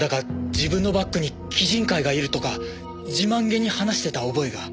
自分のバックにキジン会がいるとか自慢げに話してた覚えが。